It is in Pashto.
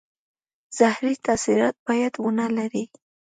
زهري تاثیرات باید ونه لري.